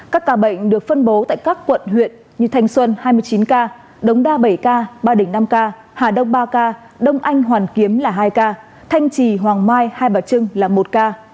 các ca bệnh được phân bố tại các quận huyện như thanh xuân hai mươi chín ca đống đa bảy k ba đỉnh năm ca hà đông ba ca đông anh hoàn kiếm là hai ca thanh trì hoàng mai hai bà trưng là một ca